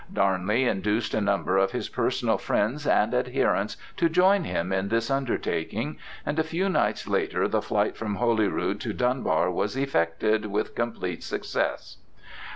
Darnley induced a number of his personal friends and adherents to join him in this undertaking, and a few nights later the flight from Holyrood to Dunbar was effected with complete success.